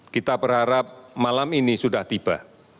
kita berharap malam ini sudah tiba